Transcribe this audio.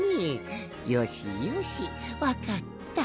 よしよしわかった。